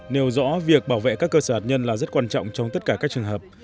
nêu rõ việc bảo vệ các cơ sở hạt nhân là rất quan trọng trong tất cả các trường hợp